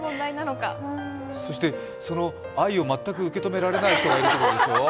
そして、その愛を全く受け止められない人がいるんでしょ？